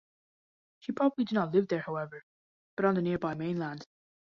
She probably did not live there, however, but on the nearby mainland.